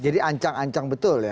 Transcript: jadi ancang ancang betul ya